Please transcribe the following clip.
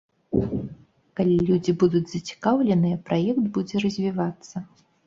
Калі людзі будуць зацікаўленыя, праект будзе развівацца.